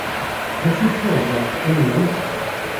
D acu-tt tuɣdaḍt-went?